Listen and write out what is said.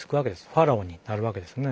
ファラオになるわけですね。